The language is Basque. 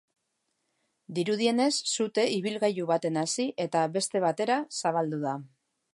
Dirudienez, sute ibilgailu batean hasi eta eta beste bietara zabaldu da.